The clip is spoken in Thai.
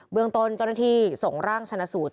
เมืองต้นเจ้าหน้าที่ส่งร่างชนะสูตร